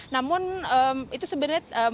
namun itu sebenarnya